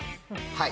はい。